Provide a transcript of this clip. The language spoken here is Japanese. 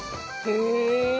へえ。